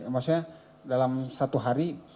maksudnya dalam satu hari